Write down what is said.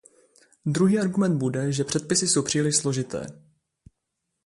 Druhý argumentem bude, že předpisy jsou příliš složité.